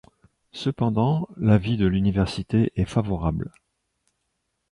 Cependant, l'avis de l'université est favorable.